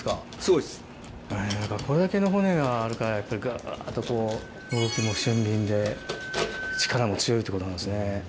これだけの骨があるからやっぱりグっと動きも俊敏で力も強いってことなんですね。